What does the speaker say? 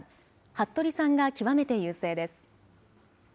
服部さんが極めて優勢です。